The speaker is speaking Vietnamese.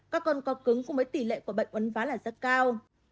các con co cứng có mấy tỷ lệ của bệnh uấn ván là rất cao